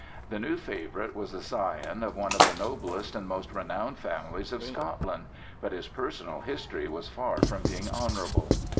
The new favorite was a scion of one of the noblest and most renowned families of Scotland, but his personal history was far from being honorable.